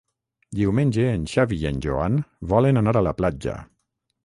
Diumenge en Xavi i en Joan volen anar a la platja.